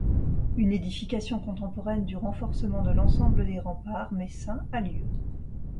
Une édification contemporaine du renforcement de l’ensemble des remparts messins a lieu.